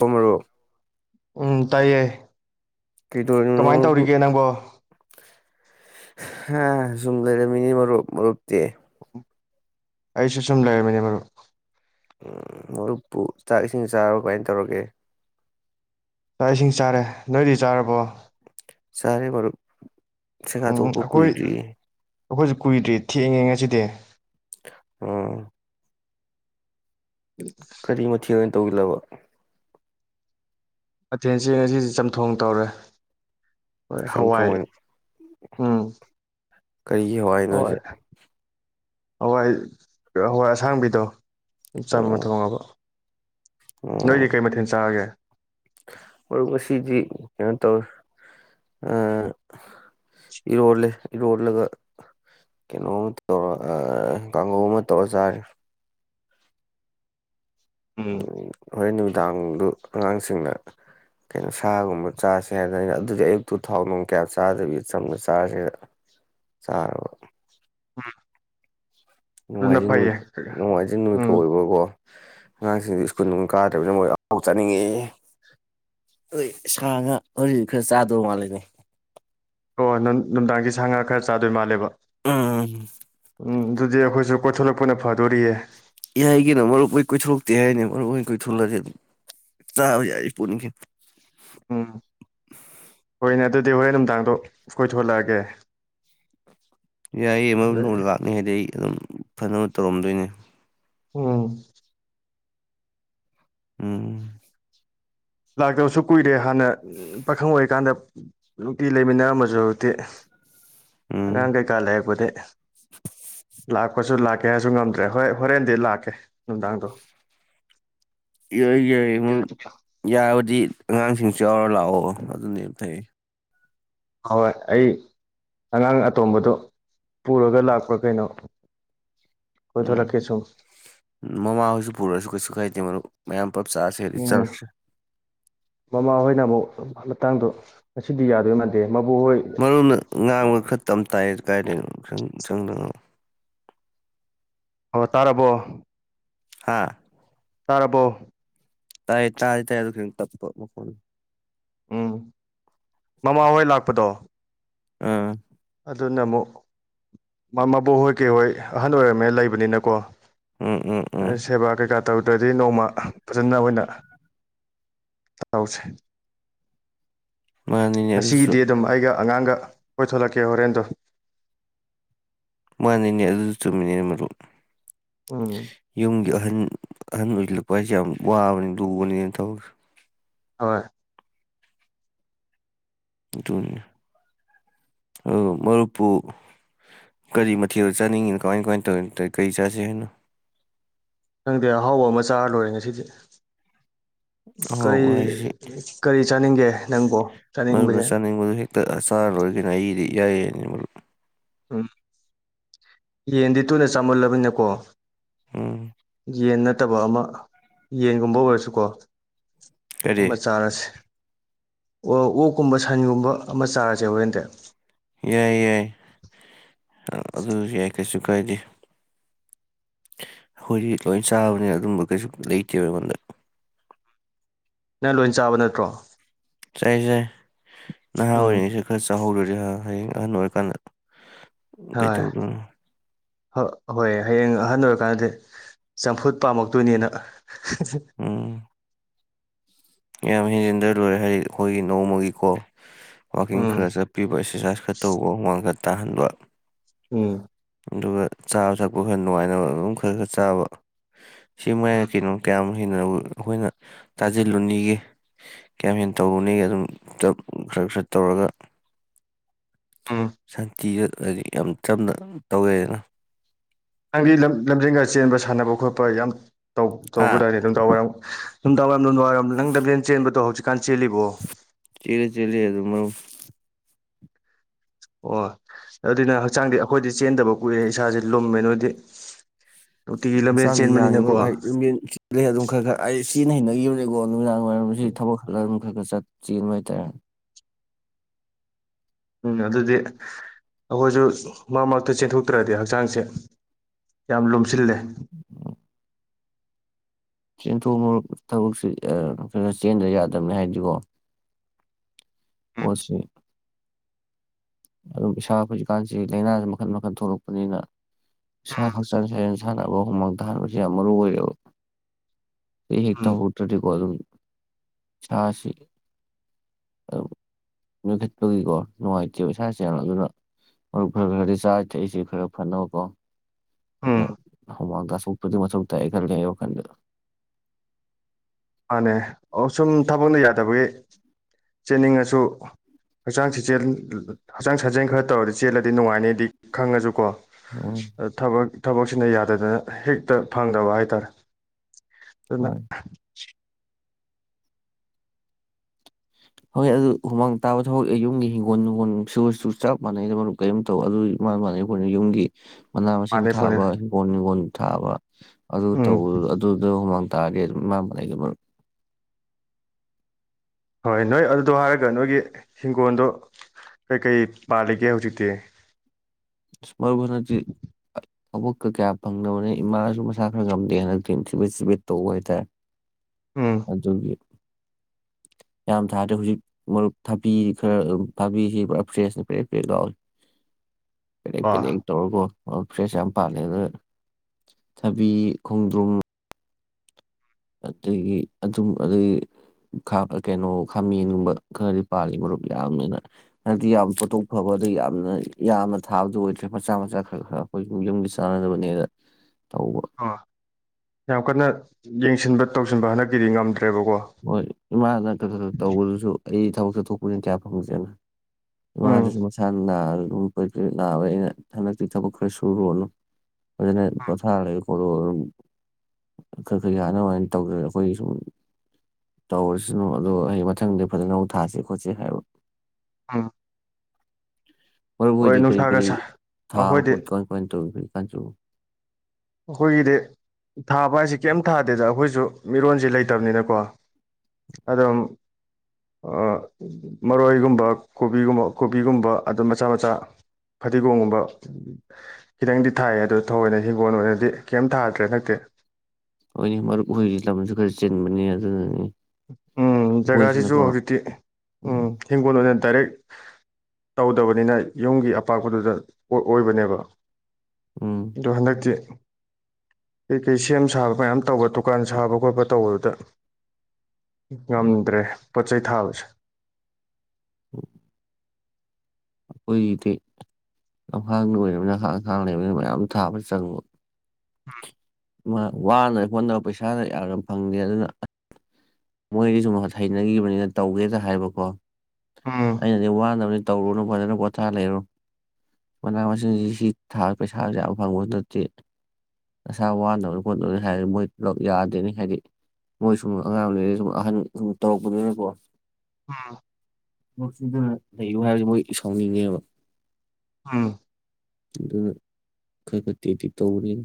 ꯀꯨꯝꯔꯨ ꯎꯝ ꯇꯥꯏꯌꯦ ꯀꯃꯥꯏꯅ ꯃꯔꯨꯞ ꯇꯧꯔꯤꯒꯦ ꯅꯪꯕꯣ ꯍꯦ ꯁꯨꯝ ꯂꯩꯔꯦꯃꯤꯅꯤ ꯔ ꯔꯨꯞꯇ ꯑꯩ ꯁꯤꯁꯝ ꯂꯩꯥꯏꯔꯃꯤꯅꯤ ꯃꯔꯔꯣ ꯃꯔꯨꯞꯄꯨ ꯆꯥꯛ ꯏꯁꯤꯡ ꯆꯥꯔ ꯀꯃꯥꯏꯅ ꯇꯧꯔꯒꯦ ꯆꯥꯛ ꯏꯁꯤꯡ ꯆꯥꯔꯦ ꯅꯣꯏꯗꯤ ꯆꯥꯔꯕꯣ ꯁꯔꯦ ꯔ ꯎꯝ ꯑꯩꯈꯣꯏ ꯑꯩꯈꯣꯏꯁꯨ ꯀꯨꯏꯗ꯭ꯔꯤ ꯊꯦꯡꯉꯦ ꯉꯁꯤ ꯇꯦ ꯑꯥ ꯀꯔꯤ ꯃꯊ ꯑꯣꯏ ꯇꯧꯏꯜꯂꯕ ꯃꯊꯦꯟꯁꯦ ꯉꯁꯤꯖꯤ ꯆꯝꯊꯣꯡ ꯇꯧꯔꯦ ꯍꯣꯏ ꯆꯝꯊꯣꯡ ꯍꯋꯥꯏ ꯑꯣꯏꯅ ꯎꯝ ꯀꯩꯒꯤ ꯍꯣꯏ ꯍꯋꯥꯏꯅꯣꯖꯦ ꯍꯋꯥꯏ ꯍꯋꯥꯏ ꯑꯁꯥꯡꯕꯤꯗꯣ ꯆꯝꯅ ꯑꯣ ꯊꯣꯡꯉꯕ ꯑꯣ ꯅꯣꯏꯗꯤ ꯀꯩ ꯃꯊꯦꯟ ꯆꯥꯔꯒꯦ ꯃꯔꯨꯞ ꯉꯁꯤꯗꯤ ꯀꯩꯅꯣ ꯇꯧꯋꯦ ꯑꯥ ꯏꯔꯣꯜꯂꯦ ꯏꯔꯣꯜꯂꯒ ꯀꯩꯅꯣꯃ ꯇꯧꯔ ꯑꯥ ꯀꯥꯡꯍꯧ ꯑꯃ ꯇꯧꯔ ꯆꯥꯔꯦ ꯎꯝ ꯍꯣꯔꯦꯟ ꯅꯨꯃꯤꯗꯥꯡꯗꯨ ꯑꯉꯥꯡꯁꯤꯡꯅ ꯀꯩꯅꯣ ꯁꯥꯒꯨꯝꯕ ꯆꯥꯁꯦ ꯍꯥꯏꯗ ꯑꯩꯅ ꯑꯗꯨꯗꯤ ꯑꯌꯨꯛꯇꯨ ꯊꯥꯎ ꯅꯨꯡ ꯀꯌꯥ ꯆꯥꯗꯕꯤ ꯆꯝꯅ ꯆꯥꯔꯁꯤꯗ ꯆꯥꯔꯕ ꯑꯗꯨꯅ ꯅꯨꯡꯃꯥꯏꯖꯤꯡ ꯐꯩꯌꯦ ꯅꯨꯃꯤꯠ ꯅꯣꯡꯃꯥꯏꯖꯤꯡ ꯅꯨꯃꯤꯠꯀ ꯎꯝ ꯑꯣꯏꯕꯒꯀꯣ ꯑꯉꯥꯡꯁꯤꯡꯗꯨ ꯁ꯭ꯀꯨꯜ ꯅꯨꯡ ꯀꯥꯗ꯭ꯔꯕꯅꯤꯅ ꯃꯣꯏ ꯑꯍꯥꯎ ꯆꯥꯅꯤꯡꯉꯦꯌꯦ ꯑꯗꯩ ꯁꯥ ꯉꯥ [unintelligible] ꯈꯔ ꯆꯥꯗꯧ ꯃꯥꯜꯂꯦꯅꯦ ꯑꯣ ꯅꯨꯟ ꯅꯨꯡꯗꯥꯡꯒꯤ ꯁꯥ ꯉꯥ ꯈꯔ ꯆꯥꯗꯣꯏ ꯃꯥꯜꯂꯦꯕ ꯎꯝ ꯎꯝ ꯗꯨꯗꯤ ꯑꯈꯣꯏꯖꯨ ꯀꯣꯏꯊꯣꯛꯂꯛꯄꯅ ꯐꯗꯣꯔꯤꯌꯦ ꯌꯥꯏꯒꯤꯅꯣ ꯃꯔꯨꯞ ꯍꯣꯏ ꯀꯣꯏꯊꯣꯔꯛꯇꯦ ꯍꯥꯏꯅꯤ ꯃꯔꯨꯞꯍꯣꯏ ꯀꯣꯏꯊꯣꯛꯂꯗꯤ ꯆꯥꯕ ꯌꯥꯔꯤꯄꯣꯠꯅꯤ ꯀꯩ ꯑꯗꯨ ꯍꯣꯏ ꯅꯨꯡꯗꯥꯡꯗꯣ ꯀꯣꯏꯊꯂꯛꯑꯒꯦ ꯌꯥꯏꯌꯦ ꯅꯕꯨ ꯂꯥꯛꯅꯤ ꯍꯥꯏꯗꯤ ꯑꯩ ꯑꯗꯨꯝ ꯐꯅꯕ ꯇꯧꯔꯝꯗꯣꯏꯅꯦ ꯎꯝ ꯎꯝ ꯂꯥꯛꯇꯕꯁꯨ ꯀꯨꯏ ꯗꯦ ꯍꯥꯟꯅ ꯄꯥꯈꯪ ꯑꯣꯏꯔꯤꯀꯥꯟꯗ ꯅꯨꯡꯇꯤ ꯂꯩꯃꯤꯟꯅꯃꯖꯨ ꯍꯧꯖꯤꯛꯇꯤ ꯎꯝ ꯑꯉꯥꯡ ꯀꯩ ꯀꯥ ꯂꯩꯔꯛꯄꯗꯩꯩ [unintelligible] ꯂꯥꯛꯄꯁꯨ ꯂꯥꯛ ꯀꯌꯥꯁꯨ ꯉꯝꯗ꯭ꯔꯦ ꯍꯣꯏ ꯍꯣꯔꯦꯟꯗꯤ ꯂꯥꯛꯀꯦ ꯅꯨꯡꯗꯥꯡꯗꯣ ꯌꯥꯏ ꯌꯥꯏꯌꯦ ꯃꯔꯨꯞ ꯌꯥꯕꯗꯤ ꯑꯉꯥꯡꯁꯤꯡꯁꯨ ꯌꯥꯎꯔ ꯂꯥꯛꯑꯣ ꯑꯗꯨꯅꯍꯦꯛ ꯐꯩ ꯍꯣꯏ ꯑꯩ ꯑꯉꯥꯡ ꯑꯇꯣꯝꯕꯗꯣ ꯄꯨꯔꯒ ꯂꯥꯛꯄ꯭ꯔꯥ ꯀꯩꯅꯣ ꯎꯝ ꯀꯣꯏꯊꯣꯔꯛꯀꯦ ꯁꯨꯝ ꯃꯃꯥꯍꯣꯏꯁꯨ ꯄꯨꯔꯑꯁꯨ ꯀꯩꯁꯨ ꯀꯥꯏꯗꯦ ꯃꯔꯨꯞ ꯃꯌꯥꯝ ꯄꯞ ꯆꯥꯁꯦꯗꯤ ꯎꯝ ꯆꯥꯔꯁꯦ ꯃꯃꯥꯍꯣꯏꯅ ꯑꯃꯨꯛ ꯃꯇꯥꯡꯗꯣ ꯉꯁꯤꯗꯤ ꯌꯥꯗꯣꯏ ꯃꯥꯟꯗꯦ ꯃꯕꯨꯍꯣꯏ ꯃꯔꯨꯅ ꯉꯥꯡꯕ ꯈꯛꯇ ꯑꯃ ꯇꯥꯏ ꯀꯥꯏꯗꯅꯣ ꯁꯪꯗ ꯑꯣ ꯇꯥꯔꯕꯣ ꯍꯥꯥ ꯇꯔꯕꯔꯕꯣ ꯇꯥꯏ ꯇꯥꯔꯗꯤ ꯇꯥꯏ ꯑꯗꯨ ꯇꯞꯄ ꯃꯈꯣꯟ ꯎꯝ ꯃꯃꯥꯍꯣꯏ ꯂꯥꯛꯄꯗꯣ ꯑꯥ ꯑꯗꯨꯅ ꯑꯃꯨꯛ ꯃꯥꯕꯣꯛꯍꯣꯏ ꯀꯩ ꯍꯣꯏ ꯑꯍꯜ ꯑꯣꯏꯔꯝꯃꯦꯅ ꯂꯩꯕꯅꯤꯅꯀꯣ ꯎꯝ ꯎꯝ ꯎꯝ ꯁꯦꯕꯥ ꯀꯩꯀꯥ ꯇꯧꯗ꯭ꯔꯗꯤ ꯅꯣꯡꯃ ꯐꯖꯅ ꯑꯣꯏꯅ ꯁꯥꯍꯥꯎꯁꯦ ꯃꯥꯅꯤꯅꯦ ꯑꯗꯨꯁꯨ ꯉꯁꯤꯒꯤꯗꯤ ꯑꯗꯨꯝ ꯑꯩꯒ ꯑꯉꯥꯡꯒ ꯑꯣꯏꯣꯏ ꯊꯂꯛ ꯀꯦ ꯑꯣꯏꯔꯦꯟꯗꯣ ꯃꯥꯅꯤꯅꯦ ꯑꯗꯨꯗ ꯆꯨꯝꯃꯤꯅꯦ ꯃꯔꯨꯞ ꯑꯥ ꯌꯨꯝꯒꯤ ꯑꯍꯟ ꯑꯍꯟ ꯑꯣꯏꯁꯤꯜꯂꯛꯄ ꯍꯥꯏꯁꯦ ꯌꯥꯝ ꯋꯥꯕꯅꯤ ꯂꯨꯕꯅꯦꯅ ꯇꯧꯋꯦ ꯍꯣꯏ ꯑꯗꯨꯅꯦ ꯑ ꯃꯔꯨꯞꯄꯨ ꯀꯔꯤ ꯃꯊꯦꯜꯗ ꯆꯥꯅꯤꯡꯉꯤꯅꯣ ꯀꯃꯥꯏ ꯀꯃꯥꯏ ꯇꯧꯔꯤ ꯀꯔꯤ ꯆꯥꯁꯤꯦ ꯍꯥꯏꯅꯣ ꯈꯪꯗꯦ ꯑꯍꯥꯎꯕ ꯑꯃ ꯆꯥꯔ ꯂꯣꯏꯔꯦ ꯉꯁꯤꯗꯤ ꯀꯔꯤ ꯑꯍꯥꯎꯕ ꯍꯥꯏꯁꯤ ꯀꯔꯤ ꯆꯥꯅꯤꯡꯒꯦ ꯅꯪꯕꯨ ꯃꯔꯨꯞꯅ ꯆꯥꯅꯤꯡꯕꯁꯦ ꯌꯥꯏꯌꯦꯅꯤ ꯃꯔ ꯎꯝ ꯌꯦꯟꯗꯤ ꯇꯨꯅ ꯆꯥꯃꯨꯜꯂꯕꯅꯤꯅꯀꯣ ꯎꯝ ꯌꯦꯟ ꯅꯠꯇꯕ ꯑꯃ ꯌꯦꯟꯒꯨꯝꯕ ꯑꯣꯏꯔꯁꯨꯀꯣ ꯀꯔꯤ ꯑꯃ ꯆꯥꯔꯁꯦ ꯑꯣ ꯑꯣꯛꯀꯨꯝꯕ ꯁꯟꯒꯨꯝꯕ ꯑꯃ ꯆꯥꯔꯁꯦ ꯍꯣꯔꯦꯟꯗꯤ ꯌꯥꯏ ꯌꯥꯏ ꯑꯗꯨ ꯌꯥꯏ ꯀꯩꯁꯨ ꯀꯥꯏꯗꯦ ꯑꯩꯈꯣꯏꯗꯤ ꯂꯣꯏ ꯆꯥꯕꯅꯤ ꯑꯗꯨꯝꯕ ꯀꯩꯁꯨ ꯂꯩꯇꯦꯕ ꯑꯩꯉꯣꯟꯗ ꯅꯪ ꯂꯣꯏ ꯆꯥꯕ ꯅꯠꯇ꯭ꯔꯣ ꯆꯥꯏꯖꯩ ꯅꯍꯥ ꯎꯝ ꯑꯣꯏꯔꯤꯉꯩꯁꯦ ꯈꯔ ꯆꯥꯍꯧꯗꯔꯦ ꯍꯌꯦꯡ ꯀꯍꯟ ꯑꯣꯏꯔ ꯀꯥꯟꯗ ꯀꯩ ꯆꯧꯗ ꯍ ꯍꯣꯏ ꯍꯌꯦꯡ ꯑꯍꯜ ꯑꯣꯏꯔꯀꯥꯟꯗꯗꯤ ꯆꯝꯐꯨꯠ ꯄꯥꯝꯂꯛꯇꯣꯏꯅꯦꯅ ꯎꯝ ꯌꯥꯝ ꯍꯦꯟꯖꯤꯟꯗ ꯂꯣꯏꯔꯦ ꯍꯥꯏꯗꯤ ꯑꯩꯈꯣꯏꯒꯤ ꯅꯣꯡꯃꯒꯤꯀꯣ ꯋꯥꯋꯥꯛꯀꯤꯡ ꯎꯝ ꯈꯔ ꯆꯠꯄꯤꯕ ꯑꯦꯛꯁꯔꯁꯥꯏꯁ ꯈꯔ ꯇꯧꯕ ꯋꯥ ꯋꯥꯡꯈꯠ ꯇꯥꯍꯟꯕ ꯎꯝ ꯑꯗꯨꯒ ꯆꯥꯕ ꯊꯛꯄ ꯈꯔ ꯅꯨꯡꯉꯥꯏꯅꯕ ꯑꯗꯨꯝ ꯈꯔ ꯈꯔ ꯆꯥꯕ ꯁꯤ ꯃꯌꯥꯅ ꯀꯩꯅꯣ ꯀꯌꯥꯃꯨꯛ ꯍꯦꯟꯅ ꯎ ꯑꯩꯈꯣꯏꯅ ꯇꯥꯖꯤꯜꯂꯨꯅꯤꯒꯦ ꯀꯌꯥꯝ ꯍꯦꯟꯅ ꯇꯧꯔꯅꯤꯒ ꯑꯗꯨꯝ ꯆꯞ ꯆꯥꯡꯆꯠ ꯇꯧꯔꯒ ꯎꯝ ꯁꯥꯟꯇꯤꯗ ꯍꯥꯏꯗꯤ ꯌꯥꯝ ꯆꯝꯅ ꯇꯧ ꯌꯥꯏꯗꯅ ꯑꯡꯗꯤ ꯂꯝ ꯂꯝꯖꯦꯟꯒ ꯆꯦꯟꯕ ꯁꯥꯟꯅꯕ ꯈꯣꯠꯄ ꯌꯥꯝ ꯍꯥ ꯇꯧꯕꯗꯥꯏꯅꯦ ꯑꯗꯨꯝ [unintelligible] ꯁꯨꯝ [unintelligible] [unintelligible] ꯅꯪ [unintelligible] ꯆꯦꯟꯕꯗꫭ ꯍꯧꯖꯤꯛ ꯀꯥꯟ ꯆꯦꯜꯂꯤꯕꯣ ꯆꯦꯜꯂꯤ ꯆꯦꯜꯂꯤ ꯑꯗꯨꯝ ꯃꯔꯨꯞ ꯑꯣ ꯑꯗꯨꯅ ꯍꯛꯆꯥꯡꯗꯤ ꯑꯩꯈꯣꯏꯗꯤ ꯆꯦꯟꯗꯕ ꯀꯨꯏꯔꯦ ꯏꯁꯥꯁꯦ ꯂꯨꯝꯃꯦ ꯅꯣꯏꯗꯤ ꯅꯨꯡꯇꯤꯒꯤ ꯂꯝꯖꯦꯟ ꯍꯛꯆꯥꯡꯗꯤ ꯌꯥꯡꯉꯤ ꯆꯦꯟꯕꯅꯤꯅꯀꯣ ꯃꯔꯨꯞ ꯍꯥꯏ [unintelligible] ꯑꯗꯨꯝ ꯈꯔ ꯈꯔ ꯑꯩ ꯁꯤꯅ ꯍꯩꯅ [unintelligible] ꯅꯨꯡꯗꯥꯡꯋꯥꯏꯔꯝꯁꯤ ꯊꯕꯛ ꯍꯜꯂ ꯈꯔ ꯈꯔ ꯆꯠ ꯆꯦꯟꯕ ꯍꯥꯏꯇꯥꯔꯦ ꯎꯝ ꯑꯗꯨꯗꯤ ꯑꯈꯣꯏꯁꯨ ꯃꯔꯛ ꯃꯔꯛꯇ ꯆꯦꯟꯊꯣꯛꯇ꯭ꯔꯗꯤ ꯍꯛꯆꯥꯡꯁꯦ ꯌꯥꯝ ꯂꯨꯝꯁꯤꯜꯂꯦ ꯆꯦꯟꯊꯣꯛ ꯑꫭ ꯃꯔꯨꯞ ꯊꯕꯛꯁꯤ [unintelligible] ꯈꯔ ꯈꯔ ꯆꯦꯟꯗꯕ ꯌꯥꯗꯕꯅꯤ ꯍꯥꯏꯗꯤꯀꯣ ꯑꯣꯁꯤ ꯑꯗꯨꯝ ꯏꯁꯥ ꯍꯧꯖꯤꯛꯀꯥꯟꯁꯤ ꯂꯥꯏꯅꯥꯁꯤ ꯃꯈꯟ ꯃꯈꯟ ꯊꯣꯛꯂꯛꯄꯅꯤꯅ ꯁꯥ ꯍꯛꯆꯥꯡ ꯁꯥꯖꯦꯜ ꯁꯥꯟꯅꯕ ꯍꯨꯃꯥꯡ‌ ꯇꯥꯍꯟꯕꯁꯨ ꯌꯥꯝ ꯃꯔꯨ ꯑꯣꯏꯔꯦꯕ ꯑꯩ ꯍꯦꯛꯇ ꯎꯝ ꯍꯧꯒꯠꯇ꯭ꯔꯗꯤꯀꫭ ꯑꯗꯨꯝ ꯁꯥꯁꯤ ꯑꯗꯨꯝ ꯅꫭꯏꯈꯠꯄꯒꯤ ꯀꫭ ꯅꯨꯡꯉꯥꯏ [unintelligible] ꯑꯗꯨꯅ ꯃꯔꯨꯞ ꯈꯔ ꯈꯔꯗꯤ ꯆꯥꯔꯤ ꯊꯛꯏꯁꯦ ꯈꯔ ꯐꯅꯕꯀꯣ ꯎꯝ ꯍꯨꯃꯥꯡꯇꯥꯁꫭꯛꯄꯗꯨ ꯃꯊꯧ ꯇꯥꯏ ꯑꯩ ꯈꯜꯂꯦ ꯑꯩ ꯋꯥꯈꯟꯗ ꯃꯥꯅꯦ ꯑꯣ ꯁꯨꯝ ꯊꯕꯛꯅ ꯌꯥꯗꯕꯒꯤ ꯆꯦꯟꯅꯤꯡꯉꯁꯨ ꯍꯛꯆꯥꯡ ꯁꯤꯆꯦꯜ ꯂ ꯍꯛꯆꯥꯡ ꯁꯥꯖꯦꯜ ꯈꯔ ꯇꯧꯔꯗꯤ ꯆꯦꯜꯂꯗꯤ ꯅꯨꯡꯉꯥꯏꯅꯤꯗꯤ ꯈꯪꯉꯁꯨꯀꯣ ꯎꯝ ꯑ ꯊꯕꯛ ꯊꯕꯛꯁꯤꯅ ꯌꯥꯗꯗꯅ ꯍꯦꯛꯇ ꯐꯪꯗꯕ ꯍꯥꯏꯇꯥꯔꯦ ꯑꯗꯨꯅ ꯍꯣꯏ [inaudible] ꯍꫭꯏ ꯑꯗꯨ ꯍꯨꯃꯥꯡ ꯇꯥꯕ ꯊꯕꯛ ꯑ ꯌꯨꯝꯒꯤ ꯍꯤꯡꯒꯣꯜ ꯅꯨꯡꯒꯣꯜ ꯁꯨꯔꯁꯨ ꯆꯞ ꯃꯥꯟꯅꯩꯗ ꯃꯔꯨꯞ ꯀꯩꯝ ꯇꯧ ꯑꯗꯨ ꯏꯃꯥꯟ ꯃꯥꯥꯟꯅꯩ ꯑꯩꯈꯣꯏꯅ ꯌꯨꯝꯒꯤ ꯃꯅꯥ ꯃꯁꯤꯡ ꯃꯅꯤꯄꯨꯔꯅꯤ ꯊꯥꯕ ꯍꯤꯡꯒꯣꯜ ꯅꯤꯒꯣꯜ ꯊꯥꯕ ꯑꯗꯨ ꯎꯝ ꯇꯧ ꯑꯜ ꯑꯗꯨꯗ ꯍꯨꯃꯥꯡ ꯇꯥꯒꯦ ꯑꯗꯨꯝ ꯏꯌꯥꯟ ꯃꯥꯟꯅꯩꯗ ꯃꯔꯩꯞ ꯍꯣꯏ ꯅꯣꯏ ꯑꯗꯨꯗꯣ ꯍꯥꯏꯔꯒ ꯅꯣꯏꯒꯤ ꯍꯤꯡꯒꯣꯟꯗꯣ ꯀꯩꯀꯩ ꯄꯥꯜꯂꯤꯒꯦ ꯍꯧꯖꯤꯛꯇꯤ ꯏꯁ ꯃꯔꯨꯞ ꯍꯟꯗꯛꯇꯤ ꯊꯕꯛꯀ ꯀꯌꯥ ꯐꯪꯗꯕꯅꯦ ꯏꯃꯥꯁꯨ ꯃꯁꯥ ꯈꯔ ꯉꯝꯗꯦ ꯍꯟꯗꯛꯇꯤ ꯑꯗꯨꯝ ꯆꯤꯕꯦꯠ ꯆꯤꯕꯦꯠ ꯇꯧꯕ ꯍꯥꯏꯇꯥꯔꯦ ꯎꯝ ꯑꯗꯨꯒꯤ ꯌꯥꯝ ꯊꯥꯗ꯭ꯔꯦ ꯍꯧꯖꯤꯛ ꯃꯔꯨꯞ ꯊꯥꯕꯤ ꯈꯔ ꯑ ꯊꯥꯕꯤꯁꯤ ꯄꯨꯔꯥ ꯐ꯭ꯔꯦꯁꯅꯦ ꯄ꯭ꯔꯦꯛ ꯄ꯭ꯔꯦꯛ ꯂꯥꯎꯏ ꯄꯦꯔꯦꯛ- ꯑꯣ ꯄꯦꯔꯦꯛ ꯇꯧꯔꯕꯣ? ꯑꯣ ꯐ꯭ꯔꯦꯁ ꯌꯥꯝ ꯄꯥꯜꯂꯦ ꯑꯗꯨ ꯊꯕꯤ ꯈꯣꯡꯗ꯭ꯔꯨꯝ ꯑꯗꯒꯤ ꯑꯗꯨꯝ ꯑꯗꯒꯤ ꯀꯩꯅꯣ ꯈꯥꯃꯦꯟꯒꯨꯝꯕ ꯈꯔꯗꯤ ꯄꯥꯜꯂꯤ ꯃꯔꯨꯞ ꯌꯥꯝꯅꯤꯅ ꯍꯥꯏꯛꯇꯗꯤ ꯌꯥꯝ ꯄꯣꯇꯣꯛ ꯐꯕ ꯑꯗꯩ ꯌꯥꯝꯅ ꯌꯥꯝꯅ ꯊꯥꯕꯗꯨ ꯑꯣꯏꯗ꯭ꯔꯦ ꯃꯆꯥ- ꯃꯆꯥ ꯈꯔ- ꯈꯔ ꯑꯩꯈꯣꯏꯁꯨ ꯌꯨꯝꯒꯤ ꯆꯥꯟꯅꯗꯕꯅꯦꯅ ꯇꯧ ꯑꯣ ꯌꯥꯝ ꯀꯟꯅ ꯌꯦꯡꯁꯤꯟꯕ ꯇꯧꯁꯤꯟꯕ ꯍꯟꯗꯛꯀꯤꯗꯤ ꯉꯝꯗ꯭ꯔꯦ ꯍꯣꯏ ꯏꯃꯥꯅ [unintelligible] ꯇꯧꯕꯗꯨꯁꯨ ꯑꯩ ꯊꯕꯛꯁꯦ ꯊꯣꯛꯄꯅꯤꯅ ꯀꯌꯥ ꯐꯪꯁꯦꯅ ꯎꯝ ꯏꯃꯗꯨꯁꯨ ꯃꯁꯥ ꯅꯥꯔꯒ ꯑꯗꯨꯝ [unintelligible] ꯅꯥꯕꯅꯤꯅ ꯍꯟꯗꯛꯇꯤ ꯊꯕꯛ ꯈꯔ ꯁꯨꯔꯨꯔꯅꯨ ꯐꯖꯅ ꯄꯣꯊꯥ ꯂꯩꯌꯨ ꯈꯣꯠꯂꯣ ꯑꯗꯨꯝ ꯈꯔ ꯈꯔ ꯌꯥꯅꯕ ꯍꯥꯏꯅ ꯇꯧꯗ꯭ꯔꯗꯤ ꯑꯩꯈꯣꯏꯒꯤ ꯁꯨꯝ ꯇꯧꯔꯁꯅꯨ ꯑꯗꯣ ꯑꯩ ꯃꯊꯪꯗꯤ ꯐꯖꯅ ꯃꯨꯛ ꯊꯥꯁꯤ ꯈꯣꯠꯁꯤ ꯍꯥꯏꯕ ꯑꯥ ꯃꯔꯨꯞꯍꯣꯏꯗꯤ ꯀꯔꯤ ꯀꯔꯤ ꯁꯥ ꯊꯥꯕ ꯑꯩꯈꯣꯏꯗꯤ ꯈꯣꯠꯄ ꯀꯃꯥꯏꯅ ꯇꯧꯔꯤꯒꯦ ꯑꯗꯨ ꯑꯩꯈꯣꯏꯒꯤꯗꯤ ꯊꯥꯕ ꯍꯥꯏꯁꯦ ꯀꯩꯝ ꯊꯥꯗꯦꯗ ꯑꯩꯈꯣꯏꯁꯨ ꯃꯤꯔꯣꯟꯁꯦ ꯂꯩꯇꯕꯅꯤꯅꯀꯣ ꯑꯗꯨꯝ ꯃꯔꯣꯏꯒꯨꯝꯕ ꯀꯣꯕꯤꯒꯨꯝꯕ ꯀꯣꯕꯤꯒꯨꯝꯕ ꯑꯗꯨꯝ ꯃꯆꯥ ꯃꯆꯥ ꯐꯗꯤꯒꯣꯝꯒꯨꯝꯕ ꯈꯤꯇꯪꯗꯤ ꯊꯥꯏꯌꯦ ꯑꯗꯨꯗ ꯊꯑꯣꯏꯅ ꯍꯤꯡ ꯒꯣꯟ ꯑꯣꯏꯅꯗꯤ ꯀꯩꯝ ꯊꯥꯗ꯭ꯔꯦ ꯍꯟꯗꯛꯇꯤ ꯍꯣꯏꯅꯦ ꯃꯔꯨꯞ ꯍꯣꯏꯒꯤ ꯂꯝꯁꯨ ꯈꯔ ꯆꯤꯟꯕꯅꯤꯅꯦ ꯑꯗꯨꯅꯅꯤ ꯎꯝ ꯖꯒꯥꯁꯤꯁꯨ ꯑꯩꯈꯣꯏꯁꯤꯅꯀꯣ ꯍꯧꯖꯤꯛꯇꯤ ꯎꯝ ꯍꯤꯡꯒꯣꯜ ꯑꯣꯏꯅ ꯗꯥꯏꯔꯦꯛ ꯇꯧꯗꯕꯅꯤꯅ ꯌꯨꯝꯒꯤ ꯑꯄꯥꯛꯄꯗꯨꯗ ꯑꯣꯏꯕꯅꯦꯕ ꯎꯝ ꯑꯗꯣ ꯍꯟꯗꯛꯇꯤ ꯀꯩꯀꯩ ꯁꯦꯝ ꯁꯥꯕ ꯃꯌꯥꯝ ꯇꯧꯕ ꯗꯨꯀꯥꯟ ꯁꯥꯕ ꯈꯣꯠꯄ ꯇꯧꯕꯗꯨꯗ ꯉꯝꯗ꯭ꯔꯦ ꯄꯣꯠ ꯆꯩ ꯊꯥꯕꯁꯦ [inaudible] ꯑꯩꯈꯣꯏꯒꯤꯗꯤ ꯂꯝꯈꯥꯡ ꯑꯣꯏꯔꯕꯅꯤꯅ [unintelligible] ꯂꯩꯔꯕꯅꯤꯅ ꯃꯌꯥꯝ ꯊꯥꯕ ꯆꯪꯕ ꯋꯥꯅ ꯍꯣꯠꯅꯔ ꯄꯩꯁꯥꯅ ꯌꯥꯝꯅ ꯐꯪꯗꯦ ꯑꯗꯨꯅ ꯃꯣꯏꯗꯤ ꯁꯨꯝ ꯍꯩꯅꯈꯤꯕꯅꯤꯅ ꯇꯧꯒꯦꯗ ꯍꯥꯏꯕꯀꯣ ꯎꯝ ꯑꯩꯅꯗꯤ ꯋꯥꯅꯕꯅꯤ ꯇꯧꯔꯨꯅꯨ ꯐꯖꯅ ꯄꯣꯊꯥ ꯂꯩꯔꯣ ꯃꯅꯥ ꯃꯁꯤꯡꯁꯤ ꯁꯤ ꯊꯥ ꯄꯩꯁꯥꯁꯨ ꯌꯥꯝ ꯐꯪꯕꯁꯨ ꯅꯠꯇꯦ ꯅꯁꯥ ꯋꯥꯅꯕꯅꯤ ꯈꯣꯠꯅꯕꯅꯤ ꯍꯥꯏꯔꯗꯤ ꯃꯣꯏ ꯄꯨꯂꯞ ꯌꯥꯗꯦꯅꯦ ꯍꯥꯏꯗꯤ ꯃꯣꯏ ꯁꯨꯝ ꯑꯉꯥꯡ ꯂꯩꯔꯤꯛ ꯑꯍꯟ ꯁꯨꯝ ꯇꯧꯔꯛꯄꯗꯨꯅꯀꯣ ꯎꯝ ꯊꯕꯛ ꯁꯨꯗꯅ ꯂꯩꯌꯨ ꯍꯥꯏꯔꯁꯨ ꯃꯣꯏ ꯁꯥꯎꯅꯤꯡꯉꯦꯕ ꯎꯝ ꯑꯗꯨꯅ ꯈꯔ ꯈꯔ ꯇꯦꯛ ꯇꯦꯛ ꯇꯧꯕꯅꯤꯅꯦ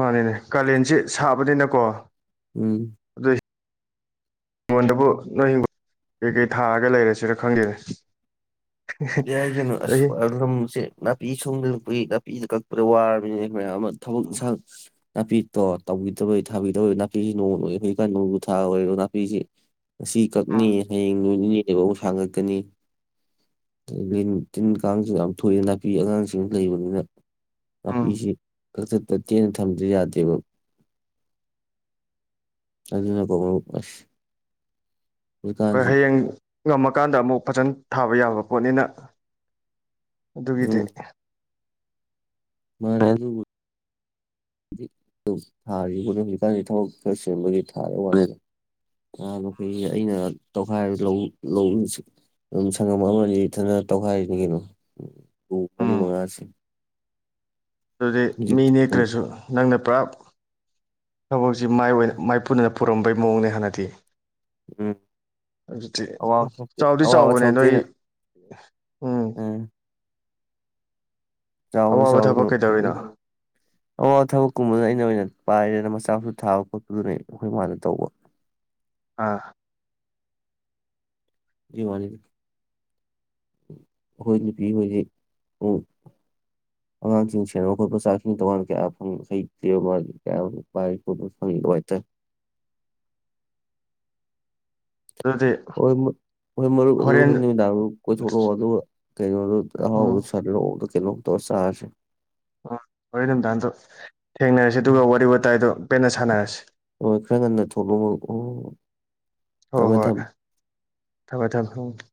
ꯃꯥꯅꯤꯅꯦ ꯀꯥꯂꯦꯟꯁꯤ ꯁꯥꯕꯅꯤꯅꯀꯣ ꯎꯝ ꯑꯩꯉꯣꯟꯗꯕꯨ ꯅꯣꯏ ꯍꯤꯡꯒꯣꯜ ꯀꯩꯀꯩ ꯊꯥꯔꯒ ꯂꯩꯔꯁꯤꯔ ꯈꯪꯗꯦꯅꯦ ꯌꯥꯏ ꯀꯩꯅꯣ ꯑꯩ ꯑꯁ [unintelligible] ꯅꯥꯄꯤ ꯁꯣꯡꯕꯅ ꯑꯩꯈꯣꯏ ꯅꯥꯄꯤꯁꯤ ꯀꯛꯄꯗ ꯋꯥꯔꯕꯅꯤꯅꯦ ꯃꯌꯥꯝ ꯑꯃ ꯊꯕꯛ ꯁ ꯅꯥꯄꯤꯠ ꯇꯣ ꯇꯧꯕꯤꯗꯕꯩ ꯊꯥꯕꯤꯗꯕꯩ ꯅꯥꯄꯤꯁꯤ ꯅꯣꯡ [unintelligible] ꯍꯧꯖꯤꯛꯀꯥꯟ ꯅꯣꯡ ꯖꯨ ꯊꯥ ꯑꯣꯏꯕꯒ ꯅꯥꯄꯤ ꯖꯤ꯫ ꯉꯁꯤ ꯎꯝ ꯀꯛꯅꯤ ꯍꯌꯦꯡ ꯅꯣꯏꯅꯤ꯫ [unintelligible] ꯁꯥꯡꯉꯛꯀꯅꯤ꯫ ꯂꯤꯟ ꯇꯤꯟ ꯀꯥꯡꯁꯨ ꯌꯥꯝ ꯊꯣꯛꯑꯦ ꯅꯥꯄꯤ ꯑꯉꯥꯡꯁꯤꯡ ꯂꯩꯕꯅꯤꯅ꯫ ꯎꯝ ꯅꯄꯤꯖꯤ ꯀꯛꯊꯠꯇ ꯇꯦꯅ ꯊꯝꯗꯤ ꯌꯥꯗꯦꯕ, ꯑꯗꯨꯅꯀꯣ ꯃꯔꯨꯞ ꯑꯁ ꯍꯣꯏ ꯍꯧꯖꯤꯛꯀꯥꯟꯁꯤ ꯍꯌꯦꯡ ꯉꯝꯃꯀꯥꯟꯗ ꯑꯃꯨꯛ ꯐꯖꯅ ꯊꯥꯕ ꯌꯥꯕ ꯄꯣꯠꯅꯤꯅ ꯑꯗꯨꯒꯤꯗꯤ ꯎꯝ ꯃꯥꯅꯦ ꯑꯗꯨꯕꯨ [inaudible] ꯊꯥꯔꯤ ꯍꯧꯖꯤꯛꯀꯥꯟꯗꯤ ꯊꯕꯛ ꯈꯔ ꯆꯤꯟꯕꯒꯤ ꯊꯥꯔꯦ ꯋꯥꯅꯤꯗ ꯅꯍꯥꯟꯃꯨꯛꯇꯤ ꯑꯩꯅ ꯇꯧꯈꯥꯏꯔ ꯂꯧꯎ [unintelligible] ꯑꯗꯨꯝ ꯁꯪꯒꯝ ꯑꯃꯅꯤ ꯏꯊꯟꯗꯅ ꯇꯧꯈꯥꯏꯔꯤꯅꯤ ꯀꯩꯅꯣ꯫ ꯄꯨꯡ ꯃꯔꯤ ꯎꯝ ꯃꯉꯁꯦ ꯑꯗꯨꯗꯤ ꯃꯤ ꯎꯝ ꯅꯦꯛꯇꯔ꯭ꯁꯨ ꯅꯪꯅ ꯄꯨꯔꯥ ꯊꯕꯛꯁꯤ ꯃꯥꯏ ꯑꯣꯏ ꯃꯥꯏ ꯄꯨꯅꯅ ꯄꯨꯔꯝꯕꯩ ꯃꯑꯣꯡꯅꯦ ꯍꯥꯟꯅꯗꯤ꯫ ꯑꯗꯨꯗꯤ ꯑꯋꯥꯕ ꯊꯣꯛꯇꯦ ꯆꯥꯎꯗꯤ ꯑꯋꯥꯕ ꯆꯥꯎꯕꯅꯦ ꯊꯣꯛꯇꯦ ꯅꯣꯏ [inaudible] ꯎꯝ ꯆꯥꯎꯋꯤ- ꯑꯋꯥꯕ ꯆꯥꯎꯋꯤ ꯊꯕꯛ ꯃꯔꯨꯞ ꯀꯩꯗꯧꯔꯤꯅꯣ ꯑꯋꯥꯕ ꯊꯕꯛ ꯀꯨꯝꯕꯗꯤ ꯑꯩꯅ ꯑꯣꯏꯅ ꯄꯥꯏꯔꯦꯅ ꯃꯆꯥ ꯃꯁꯨ ꯊꯥꯕ ꯈꯣꯠꯄꯗꯨꯅꯤ ꯑꯩꯈꯣꯏ ꯃꯥꯅ ꯇꯧꯕ꯫ ꯑꯥ ꯑꯗꯨꯏ ꯋꯥꯅꯤꯗ ꯑꯩꯈꯣꯏ ꯅꯨꯄꯤ ꯍꯣꯏꯗꯤ ꯑꯉꯥꯡꯁꯤꯡ ꯁꯦꯟꯅꯕ ꯈꯣꯠꯄ ꯆꯥꯛꯁꯤꯡ ꯇꯣꯉꯥꯟ ꯀꯌꯥ ꯐꯪ ꯍꯩꯇꯦ ꯃꯥꯗꯤ ꯀꯌꯥ ꯄꯥꯏ ꯈꯣꯠ ꯐꯪꯉꯤꯗ ꯍꯥꯏꯇꯥꯔꯦ꯫ ꯑꯗꯨꯗꯤ ꯍꯣꯏ - ꯍꯣꯏ ꯃꯔꯨꯞ ꯑꯗꯨ ꯍꯣꯔꯦꯟ ꯅꯨꯃꯤꯗꯥꯡ ꯀꯣꯏꯊꯣꯔꯛꯑꯣ ꯑꯗꯨꯒ ꯀꯩꯅꯣ ꯑꯍꯥꯎꯕ ꯎꯝ ꯑꯃ [unintelligible] ꯀꯩꯅꯣꯝ ꯇꯧꯔ ꯆꯥꯔꯁꯤ ꯍꯣꯔꯦꯟ ꯅꯨꯃꯤꯗꯥꯡ ꯗꯣ ꯊꯦꯡꯅꯔꯁꯤ ꯎꯝ ꯑꯗꯨꯒ ꯋꯥꯔꯤ ꯋꯥꯇꯥꯏꯗꯣ ꯄꯦꯟꯅ ꯁꯥꯟꯅꯔꯁꯤ ꯍꯣꯏ ꯈꯔ ꯉꯟꯅ ꯊꯣꯛꯂꯛꯑꯣ ꯑꯣ ꯍꯣꯏ- ꯊꯝꯃꯦ ꯍꯣꯏ ꯊꯝꯃꯦ ꯊꯝꯃꯦ- ꯊꯝꯃꯦ ꯫